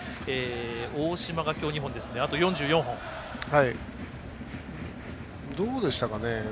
大島が今日２本ですのでどうでしたかね。